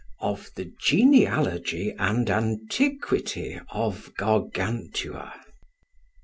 Of the Genealogy and Antiquity of Gargantua.